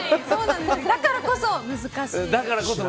だからこそ難しい。